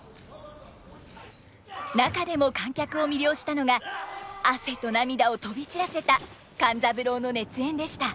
中でも観客を魅了したのが汗と涙を飛び散らせた勘三郎の熱演でした。